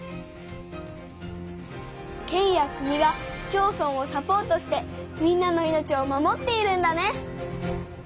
県や国が市町村をサポートしてみんなの命を守っているんだね。